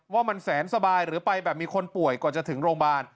ว่ามันแสนสบายหรือไปแบบมีคนป่วยก่อนจะถึงโรงพยาบาล